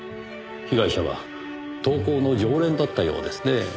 被害者は投稿の常連だったようですね。